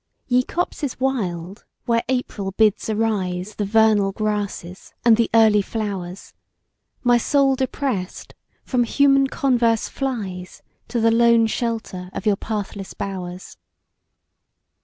YE copses wild, where April bids arise The vernal grasses, and the early flowers; My soul depress'd from human converse flies To the lone shelter of your pathless bowers.